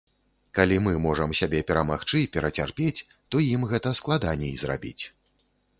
Калі мы можам сябе перамагчы, перацярпець, то ім гэта складаней зрабіць.